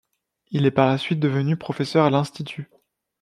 Il est par la suite devenu professeur à l'Institut.